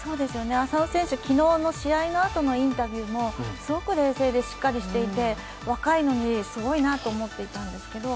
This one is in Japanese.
浅野選手、昨日の試合の後のインタビューもすごく冷静でしっかりしていて若いのにすごいと思ってたんですが